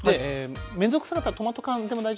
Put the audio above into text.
面倒くさかったらトマト缶でも大丈夫です。